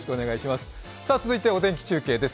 続いてお天気中継です。